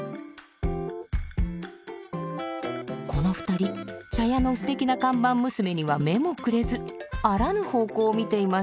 この２人茶屋のステキな看板娘には目もくれずあらぬ方向を見ています。